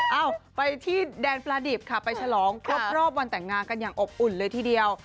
เอ้าไปที่แดนปลาดิบค่ะไปฉลองครบรอบวันแต่งงานกันอย่างอบอุ่นเลยทีเดียว